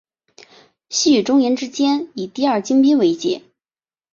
西与中延之间以第二京滨为界。